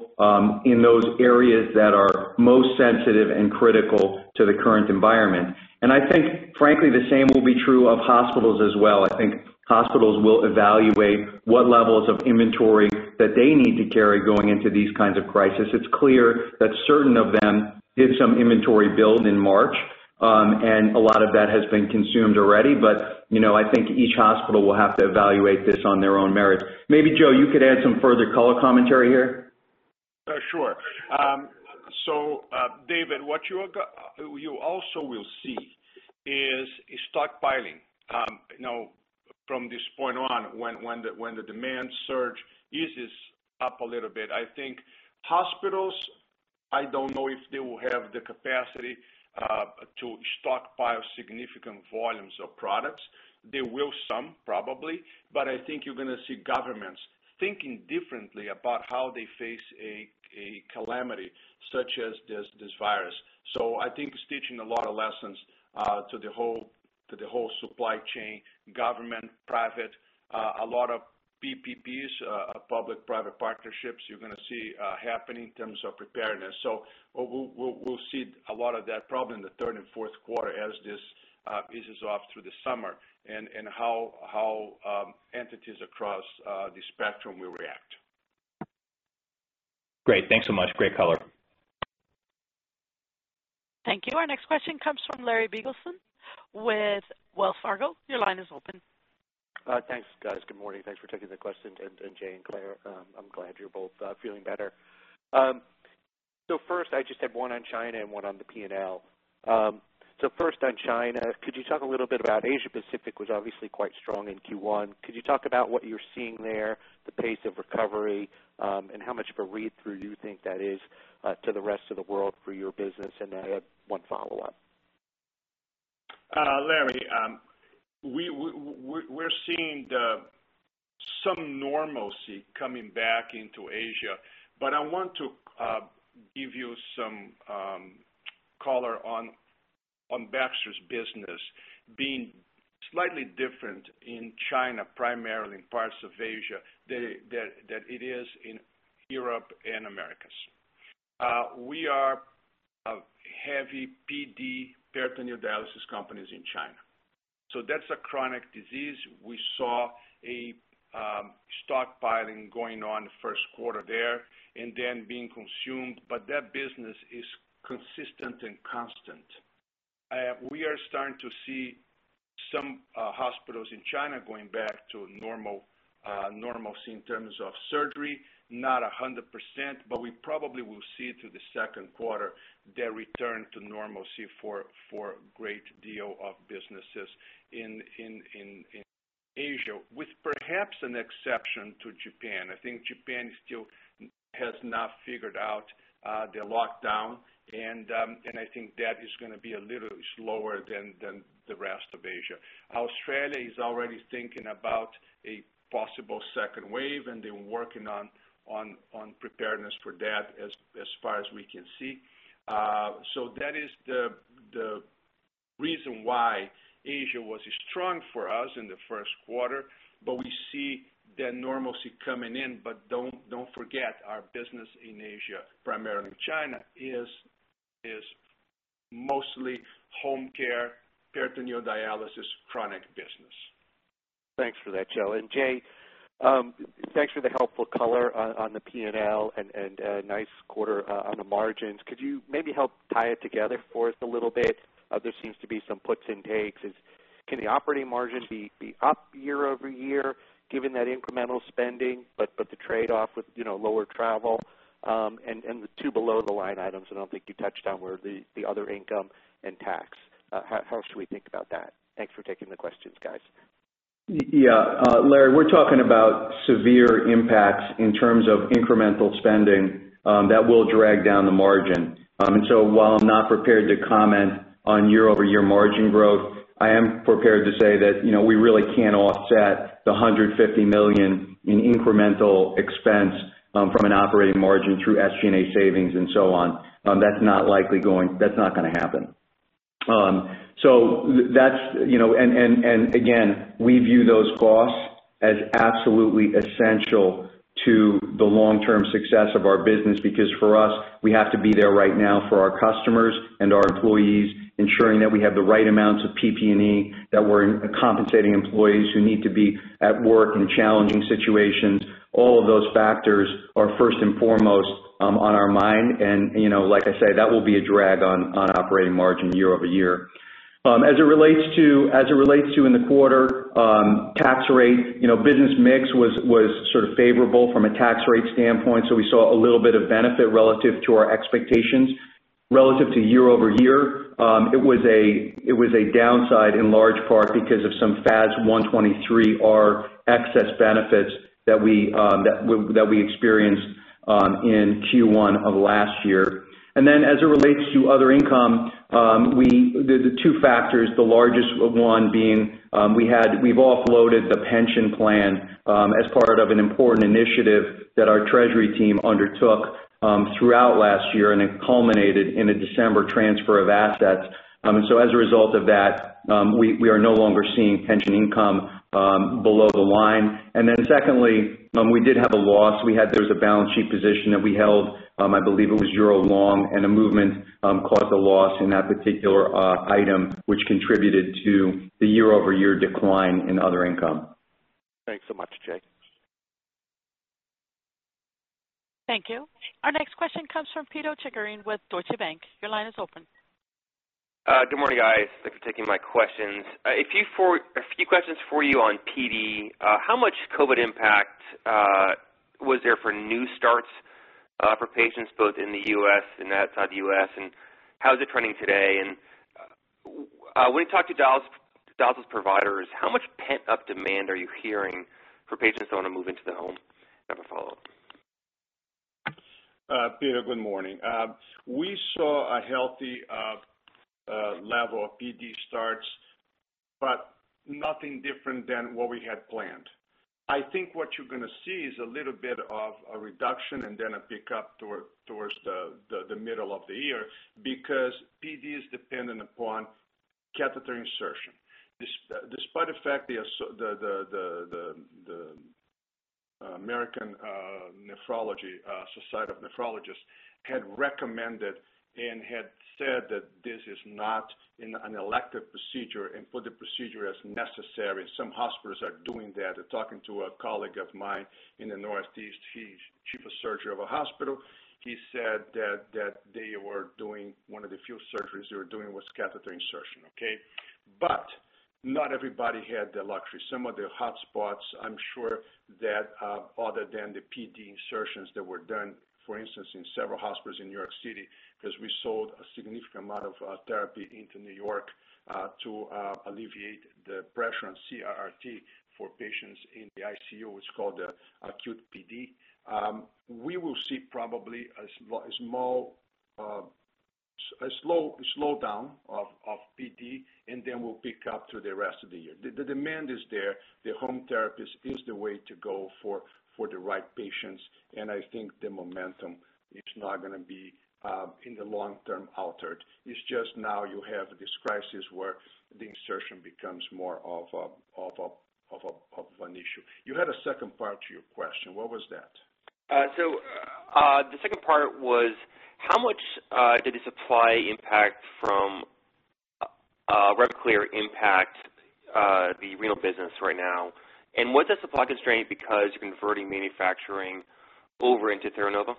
in those areas that are most sensitive and critical to the current environment. I think, frankly, the same will be true of hospitals as well. I think hospitals will evaluate what levels of inventory that they need to carry going into these kinds of crises. It's clear that certain of them did some inventory build in March, and a lot of that has been consumed already. I think each hospital will have to evaluate this on their own merit. Maybe, Joe, you could add some further color commentary here. Sure. David, what you also will see is stockpiling. Now, from this point on, when the demand surge eases up a little bit, I think hospitals, I don't know if they will have the capacity to stockpile significant volumes of products. They will some, probably. I think you're going to see governments thinking differently about how they face a calamity such as this virus. I think it's teaching a lot of lessons to the whole supply chain, government, private, a lot of PPPs, public-private partnerships you're going to see happening in terms of preparedness. We'll see a lot of that problem in the third and fourth quarter as this eases off through the summer and how entities across the spectrum will react. Great. Thanks so much. Great color. Thank you. Our next question comes from Larry Biegelsen with Wells Fargo. Your line is open. Thanks, guys. Good morning. Thanks for taking the question, Jay and Claire. I'm glad you're both feeling better. I just had one on China and one on the P&L. First on China, could you talk a little bit about Asia-Pacific was obviously quite strong in Q1. Could you talk about what you're seeing there, the pace of recovery, and how much of a read-through you think that is to the rest of the world for your business? I have one follow-up. Larry, we're seeing some normalcy coming back into Asia. I want to give you some color on Baxter's business being slightly different in China, primarily in parts of Asia, than it is in Europe and Americas. We are heavy PD, peritoneal dialysis companies in China. So that's a chronic disease. We saw a stockpiling going on the first quarter there and then being consumed. That business is consistent and constant. We are starting to see some hospitals in China going back to normalcy in terms of surgery, not 100%, but we probably will see through the second quarter their return to normalcy for a great deal of businesses in Asia, with perhaps an exception to Japan. I think Japan still has not figured out the lockdown, and I think that is going to be a little slower than the rest of Asia. Australia is already thinking about a possible second wave, and they're working on preparedness for that as far as we can see. That is the reason why Asia was strong for us in the first quarter, but we see that normalcy coming in. Do not forget, our business in Asia, primarily in China, is mostly home care, peritoneal dialysis, chronic business. Thanks for that, Joe. Jay, thanks for the helpful color on the P&L and nice quarter on the margins. Could you maybe help tie it together for us a little bit? There seems to be some puts and takes. Can the operating margin be up year over year given that incremental spending, but the trade-off with lower travel? The two below-the-line items I do not think you touched on were the other income and tax. How should we think about that? Thanks for taking the questions, guys. Yeah. Larry, we're talking about severe impacts in terms of incremental spending that will drag down the margin. While I'm not prepared to comment on year-over-year margin growth, I am prepared to say that we really can't offset the $150 million in incremental expense from an operating margin through SG&A savings and so on. That's not likely going, that's not going to happen. That's, and again, we view those costs as absolutely essential to the long-term success of our business because, for us, we have to be there right now for our customers and our employees, ensuring that we have the right amounts of PP&E, that we're compensating employees who need to be at work in challenging situations. All of those factors are first and foremost on our mind. Like I said, that will be a drag on operating margin year over year. As it relates to in the quarter tax rate, business mix was sort of favorable from a tax rate standpoint. We saw a little bit of benefit relative to our expectations relative to year over year. It was a downside in large part because of some FAS 123R excess benefits that we experienced in Q1 of last year. As it relates to other income, the two factors, the largest one being we have offloaded the pension plan as part of an important initiative that our treasury team undertook throughout last year, and it culminated in a December transfer of assets. As a result of that, we are no longer seeing pension income below the line. Secondly, we did have a loss. There was a balance sheet position that we held, I believe it was Euro Long, and a movement caused a loss in that particular item, which contributed to the year-over-year decline in other income. Thanks so much, Jay. Thank you. Our next question comes from Peter Lawson with Deutsche Bank. Your line is open. Good morning, guys. Thanks for taking my questions. A few questions for you on PD. How much COVID impact was there for new starts for patients both in the U.S. and outside the U.S.? How's it trending today? When you talk to dialysis providers, how much pent-up demand are you hearing for patients that want to move into the home? I have a follow-up. Peter, good morning. We saw a healthy level of PD starts, but nothing different than what we had planned. I think what you're going to see is a little bit of a reduction and then a pickup towards the middle of the year because PD is dependent upon catheter insertion. Despite the fact the American Society of Nephrologists had recommended and had said that this is not an elective procedure and put the procedure as necessary. Some hospitals are doing that. Talking to a colleague of mine in the Northeast, he's Chief of Surgery of a hospital, he said that they were doing one of the few surgeries they were doing was catheter insertion. Okay. Not everybody had the luxury. Some of the hotspots, I'm sure that other than the PD insertions that were done, for instance, in several hospitals in New York City because we sold a significant amount of therapy into New York to alleviate the pressure on CRRT for patients in the ICU, it's called acute PD. We will see probably a slowdown of PD, and then we'll pick up through the rest of the year. The demand is there. The home therapist is the way to go for the right patients. I think the momentum is not going to be in the long term altered. It's just now you have this crisis where the insertion becomes more of an issue. You had a second part to your question. What was that? The second part was how much did the supply impact from Revaclear impact the renal business right now? Was that supply constraint because you're converting manufacturing over into Theranova?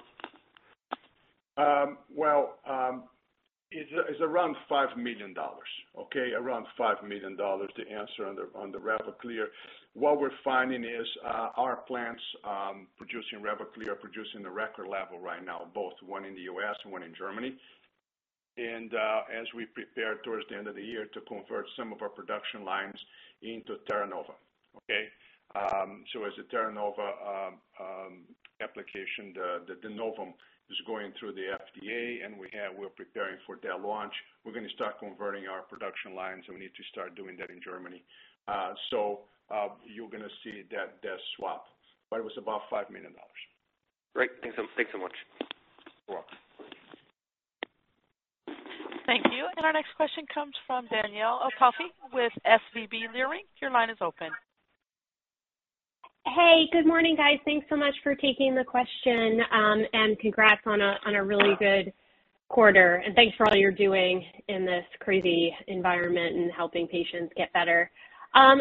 It is around $5 million. Okay. Around $5 million to answer on the Revaclear. What we are finding is our plants producing Revaclear are producing a record level right now, both one in the U.S. and one in Germany. As we prepare towards the end of the year to convert some of our production lines into Theranova. As a Theranova application, the Novum is going through the FDA, and we are preparing for their launch. We are going to start converting our production lines, and we need to start doing that in Germany. You are going to see that swap. It was about $5 million. Great. Thanks so much. You're Welcome. Thank you. Our next question comes from Danielle Antalffy with SVB Leerink. Your line is open. Hey, good morning, guys. Thanks so much for taking the question, and congrats on a really good quarter. Thanks for all you're doing in this crazy environment and helping patients get better. I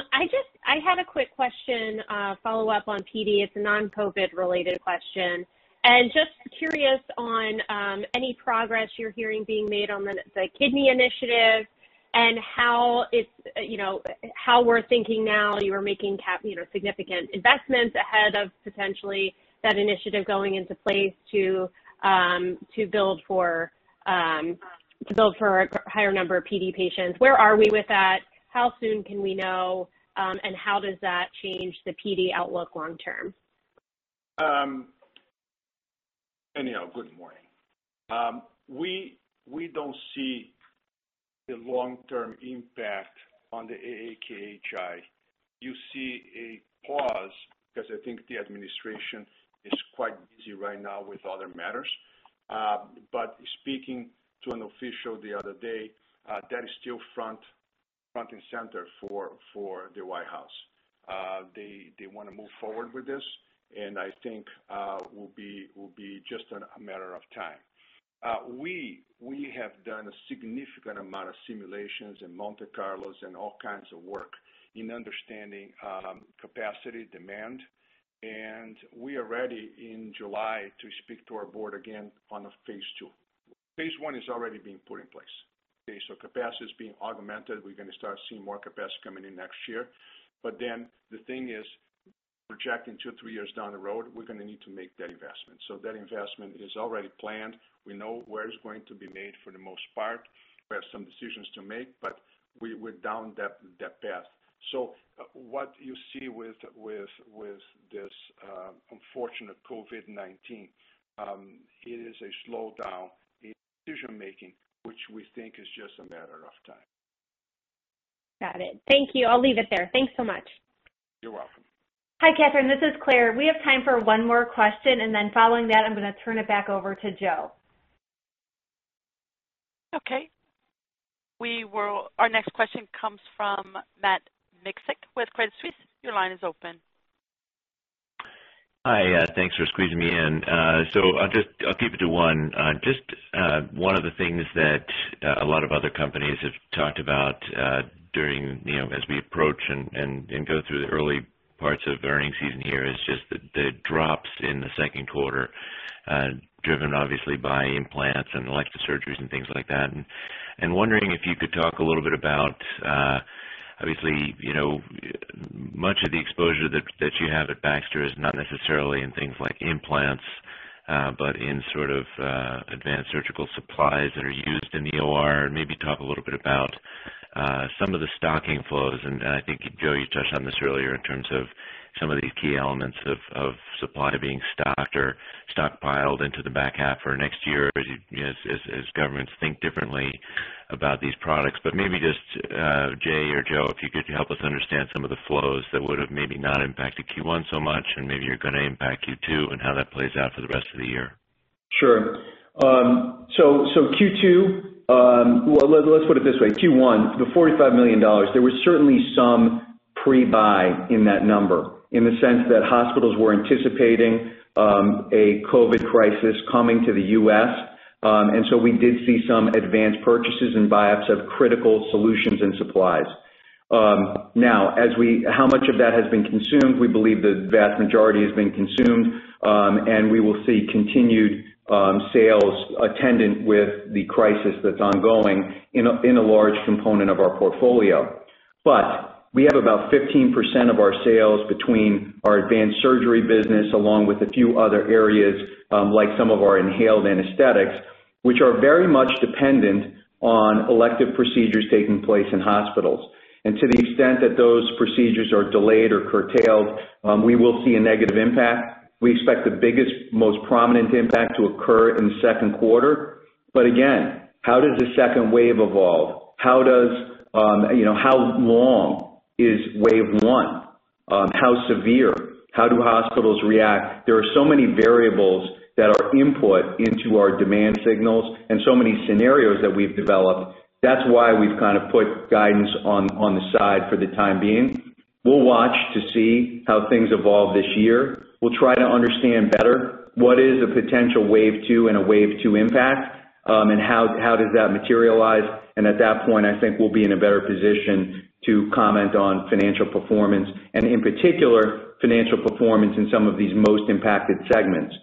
had a quick question follow-up on PD. It's a non-COVID-related question. Just curious on any progress you're hearing being made on the kidney initiative and how we're thinking now. You were making significant investments ahead of potentially that initiative going into place to build for a higher number of PD patients. Where are we with that? How soon can we know? How does that change the PD outlook long-term? Danielle, good morning. We do not see the long-term impact on the AAKHI. You see a pause because I think the administration is quite busy right now with other matters. Speaking to an official the other day, that is still front and center for the White House. They want to move forward with this, and I think it will be just a matter of time. We have done a significant amount of simulations in Monte Carlo and all kinds of work in understanding capacity and demand. We are ready in July to speak to our board again on phase two. Phase one is already being put in place. Capacity is being augmented. We are going to start seeing more capacity coming in next year. Projecting two or three years down the road, we are going to need to make that investment. That investment is already planned. We know where it's going to be made for the most part. We have some decisions to make, but we're down that path. What you see with this unfortunate COVID-19, it is a slowdown in decision-making, which we think is just a matter of time. Got it. Thank you. I'll leave it there. Thanks so much. You're welcome. Hi, Catherine. This is Claire. We have time for one more question. Following that, I'm going to turn it back over to Joe. Okay. Our next question comes from Matt Miksic with Credit Suisse. Your line is open. Hi. Thanks for squeezing me in. I'll keep it to one. Just one of the things that a lot of other companies have talked about as we approach and go through the early parts of earning season here is just the drops in the second quarter, driven obviously by implants and elective surgeries and things like that. I am wondering if you could talk a little bit about, obviously, much of the exposure that you have at Baxter is not necessarily in things like implants, but in sort of advanced surgical supplies that are used in the OR. Maybe talk a little bit about some of the stocking flows. I think, Joe, you touched on this earlier in terms of some of these key elements of supply being stocked or stockpiled into the back half for next year, as governments think differently about these products. Maybe just, Jay or Joe, if you could help us understand some of the flows that would have maybe not impacted Q1 so much, and maybe you're going to impact Q2 and how that plays out for the rest of the year. Sure. Q2, let's put it this way. Q1, the $45 million, there was certainly some pre-buy in that number in the sense that hospitals were anticipating a COVID crisis coming to the U.S. We did see some advanced purchases and buyouts of critical solutions and supplies. Now, how much of that has been consumed? We believe the vast majority has been consumed, and we will see continued sales attendant with the crisis that is ongoing in a large component of our portfolio. We have about 15% of our sales between our advanced surgery business along with a few other areas like some of our inhaled anesthetics, which are very much dependent on elective procedures taking place in hospitals. To the extent that those procedures are delayed or curtailed, we will see a negative impact. We expect the biggest, most prominent impact to occur in the second quarter. Again, how does the second wave evolve? How long is wave one? How severe? How do hospitals react? There are so many variables that are input into our demand signals and so many scenarios that we've developed. That's why we've kind of put guidance on the side for the time being. We'll watch to see how things evolve this year. We'll try to understand better what is a potential wave two and a wave two impact, and how does that materialize. At that point, I think we'll be in a better position to comment on financial performance and, in particular, financial performance in some of these most impacted segments.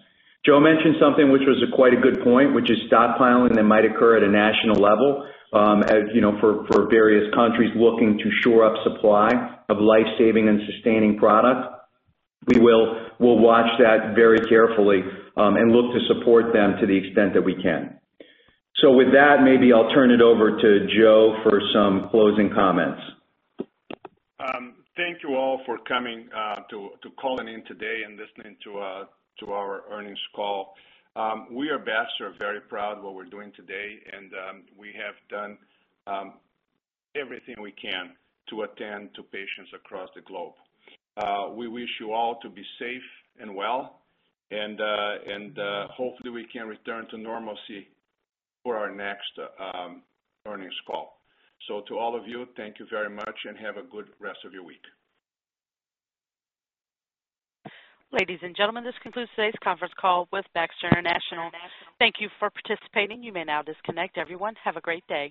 Joe mentioned something which was quite a good point, which is stockpiling that might occur at a national level for various countries looking to shore up supply of life-saving and sustaining product. We will watch that very carefully and look to support them to the extent that we can. With that, maybe I'll turn it over to Joe for some closing comments. Thank you all for coming to calling in today and listening to our earnings call. We at Baxter are very proud of what we're doing today, and we have done everything we can to attend to patients across the globe. We wish you all to be safe and well, and hopefully we can return to normalcy for our next earnings call. To all of you, thank you very much, and have a good rest of your week. Ladies and gentlemen, this concludes today's conference call with Baxter International. Thank you for participating. You may now disconnect. Everyone, have a great day.